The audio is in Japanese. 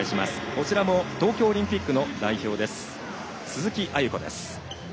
こちらも東京オリンピックの代表鈴木亜由子です。